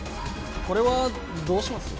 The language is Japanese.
これはどうします？